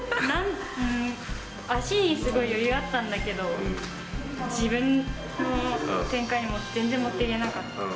足にすごい余裕あったんだけど、自分の展開に全然持っていけなかった。